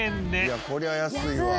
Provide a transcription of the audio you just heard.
いやこりゃ安いわ。